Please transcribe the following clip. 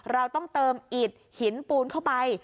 เราต้องเติมอิดหินปูนเข้าไป